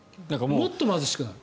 もっと貧しくなる。